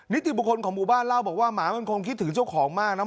นิติบุคคลของหมู่บ้านเล่าบอกว่าหมามันคงคิดถึงเจ้าของมากนะ